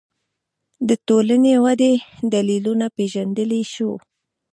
د ټولنې ودې دلیلونه پېژندلی شو